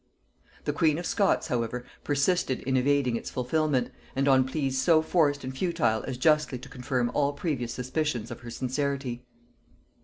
The queen of Scots, however, persisted in evading its fulfilment, and on pleas so forced and futile as justly to confirm all previous suspicions of her sincerity.